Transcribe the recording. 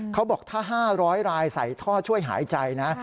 เขาบอกถ้า๕๐๐รายใส่ท่อช่วยหายใจนะ